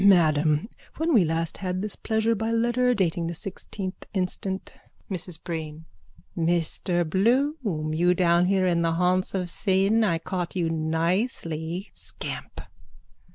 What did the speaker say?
_ Madam, when we last had this pleasure by letter dated the sixteenth instant... MRS BREEN: Mr Bloom! You down here in the haunts of sin! I caught you nicely! Scamp!